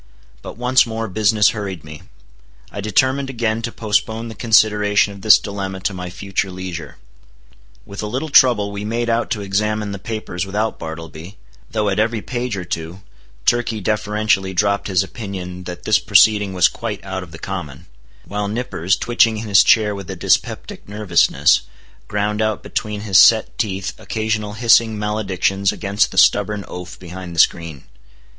But once more business hurried me. I determined again to postpone the consideration of this dilemma to my future leisure. With a little trouble we made out to examine the papers without Bartleby, though at every page or two, Turkey deferentially dropped his opinion that this proceeding was quite out of the common; while Nippers, twitching in his chair with a dyspeptic nervousness, ground out between his set teeth occasional hissing maledictions against the stubborn oaf behind the screen.